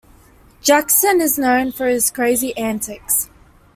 Jaxson is known for his crazy antics.